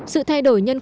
sự thay đổi nhân dân